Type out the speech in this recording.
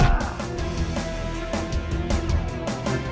aku mau ke kota ini